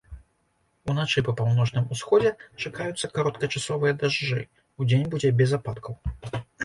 Уначы па паўночным усходзе чакаюцца кароткачасовыя дажджы, удзень будзе без ападкаў.